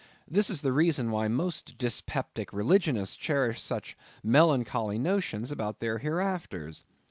This is the reason why most dyspeptic religionists cherish such melancholy notions about their hereafters.